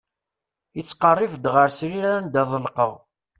Ittqerrib-d ɣer srir anda ḍelqeɣ.